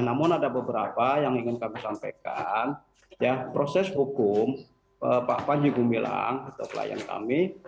namun ada beberapa yang ingin kami sampaikan proses hukum pak panji gumilang atau klien kami